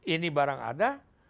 ini barang ada